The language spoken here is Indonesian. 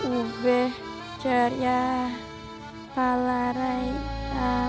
ube jariah palarai aman jantung hati yanakan